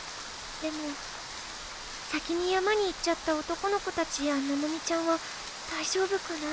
でも先に山に行っちゃった男の子たちやののみちゃんはだいじょうぶかな？